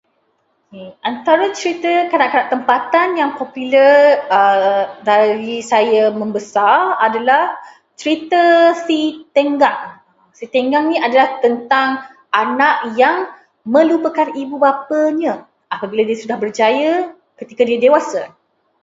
Antara cerita kanak-kanak tempatan yang popular dari saya membesar adalah cerita Si Tanggang. Si Tanggang ini adalah tentang anak yang melupakan ibu bapanya apabila dia sudah berjaya ketika dia dewasa.